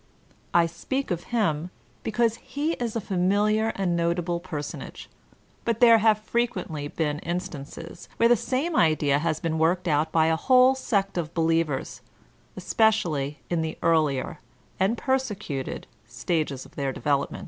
I speak of him because he is a familiar and notable personage, but there have frequently been instances where the same idea has been worked out by a whole sect of believers, especially in the earlier (and persecuted) stages of their development.